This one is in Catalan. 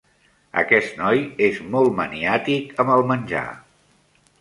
Aquest noi és molt maniàtic amb el menjar.